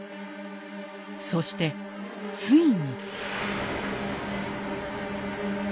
そしてついに。